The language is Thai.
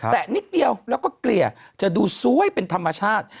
แต่นิดเดียวแล้วก็เกลี่ยจะดูสวยเป็นธรรมชาติ